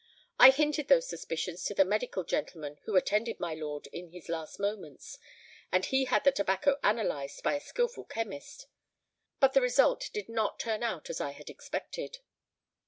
"I hinted those suspicions to the medical gentleman who attended my lord in his last moments; and he had the tobacco analysed by a skilful chemist;—but the result did not turn out as I had expected."